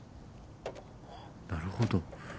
なるほど。